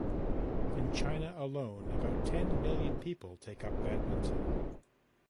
In China alone about ten million people take up badminton.